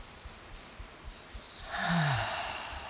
はあ。